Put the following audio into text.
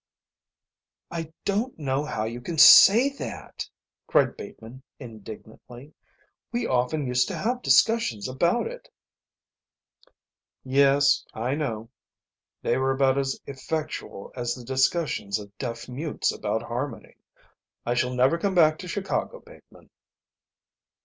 "I don't know how you can say that," cried Bateman indignantly. "We often used to have discussions about it." "Yes, I know. They were about as effectual as the discussions of deaf mutes about harmony. I shall never come back to Chicago, Bateman."